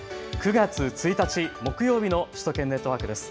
９月１日木曜日の首都圏ネットワークです。